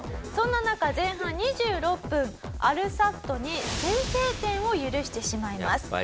そんな中前半２６分アルサッドに先制点を許してしまいます。